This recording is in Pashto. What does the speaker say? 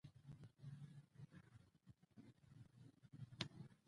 پیاله د امید څرک ده.